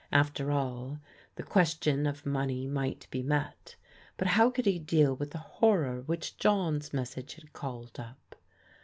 After all, the question of money might be met, but how could he deal with the horror which John's message had called up